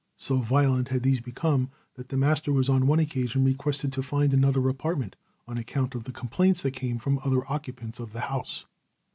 So violent had these become, that the master was on one occasion requested to find another apartment on account of the complaints that came from other occupants of the house.